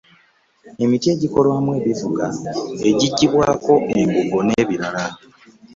Emiti egikolwamu ebivuga, egiggyibwako embugo n’ebirala.